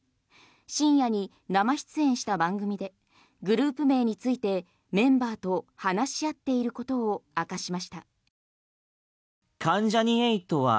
深夜に生出演した番組でグループ名についてメンバーと話し合っていることを明かしました。